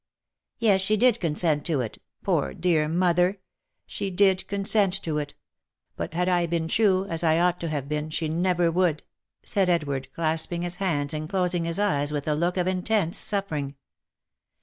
" Yes, she did consent to it. Poor, dear mother ! She did consent to it. But had 1 been true, as I ought to have been, she never would," said Edward, clasping his hands and closing his eyes with a look of intense suffering.